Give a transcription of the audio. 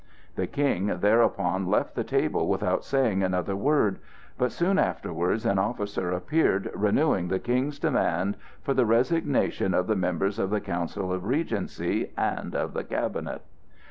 The King thereupon left the table without saying another word; but soon afterwards an officer appeared renewing the King's demand for the resignation of the members of the Council of Regency and of the Cabinet.